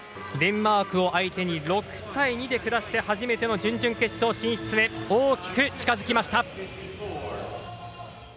デンマークを相手に６対２で下して初めての準々決勝進出へ大きく近づきました。